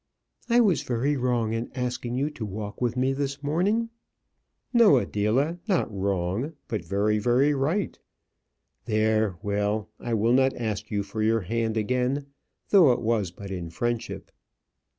"I was very wrong in asking you to walk with me this morning." "No, Adela, not wrong; but very, very right. There, well, I will not ask you for your hand again, though it was but in friendship."